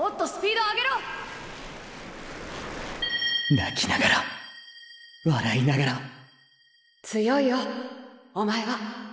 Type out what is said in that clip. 泣きながら笑いながらつよいよおまえは。